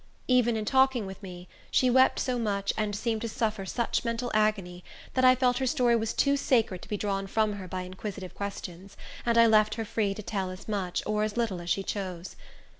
Even in talking with me, she wept so much, and seemed to suffer such mental agony, that I felt her story was too sacred to be drawn from her by inquisitive questions, and I left her free to tell as much, or as little, as she chose.